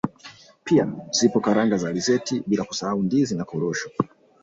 Pia zipo karanga na alizeti bila kusahau ndizi na korosho